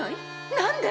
何で？